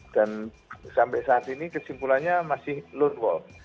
dan sampai saat ini kesimpulannya masih low world